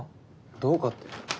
「どうか」って？